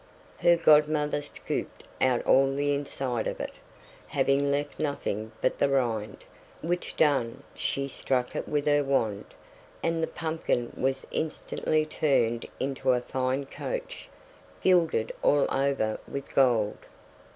Her godmother scooped out all the inside of it, having left nothing but the rind; which done, she struck it with her wand, and the pumpkin was instantly turned into a fine coach, gilded all over with gold.